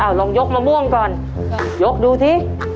เอาลองยกมะม่วงก่อนยกดูสิ